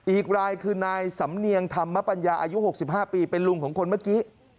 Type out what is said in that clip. อีกรายคือนายสำเนียงธรรมปัญญาอายุ๖๕ปีเป็นลุงของคนเมื่อกี้